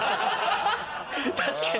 確かに。